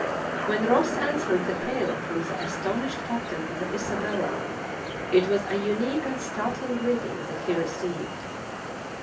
When Ross answered the hail from the astonished captain of the Isabella^ it was a unique and startling greeting that he received.